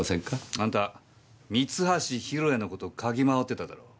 あんた三橋弘也の事嗅ぎ回ってただろ。